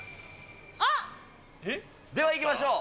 ではいきましょう。